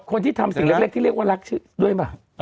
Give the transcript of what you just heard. คนที่ทำสิ่งเล็กที่เรียกว่ารักด้วยป่ะ